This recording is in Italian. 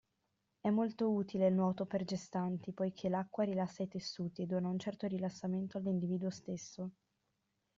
È molto utile il nuoto per gestanti, poiché l'acqua rilassa i tessuti e dona un certo rilassamento all'individuo stesso.